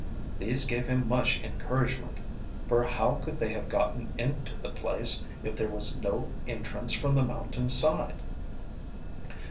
These gave him much encouragement, for how could they have gotten into the place if there was no entrance from the mountain side?